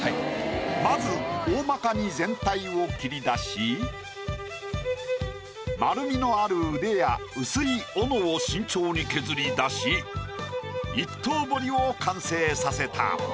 まず大まかに全体を切り出し丸みのある腕や薄い斧を慎重に削り出し一刀彫りを完成させた。